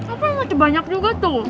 apa yang masih banyak juga tuh